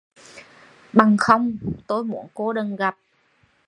Bằng không, tôi muốn cô đừng gặp